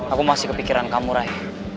aku masih kepikiran kamu raih